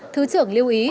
thứ trưởng lưu ý